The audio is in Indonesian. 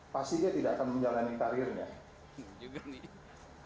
pasti dia tidak akan menjalani karirnya